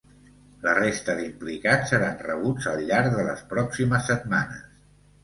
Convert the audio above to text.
La resta d’implicats seran rebuts al llarg de les pròximes setmanes.